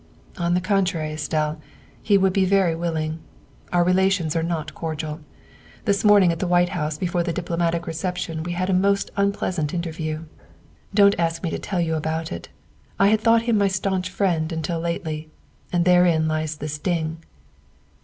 ''" On the contrary, Estelle, he would be very willing. Our relations are not cordial. This morning at the White House before the diplomatic reception we had a most unpleasant interview. Don't ask me to tell you about it; I had thought him my staunch friend until lately, and therein lies the sting."